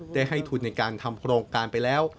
ได้ให้ทุนในการทำโครงการไปแล้ว